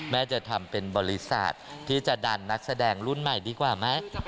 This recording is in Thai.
แม่จะทำเป็นบริษัทที่จะดันนักแสดงรุ่นใหม่ดีกว่าไหม